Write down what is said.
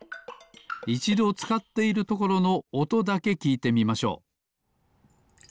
いちどつかっているところのおとだけきいてみましょう。